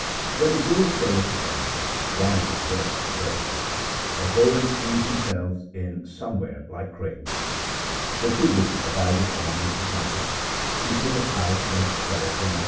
When the Guru saith to them ' Rise and work, my brethren,' they go and squeeze themselves in somewhere like cranes. The true Guru abideth among his disciples ; he picketh out and expelleth the monkeys. 1 Also translated — chronic.